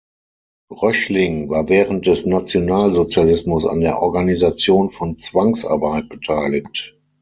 Röchling war während des Nationalsozialismus an der Organisation von Zwangsarbeit beteiligt.